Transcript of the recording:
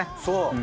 そう。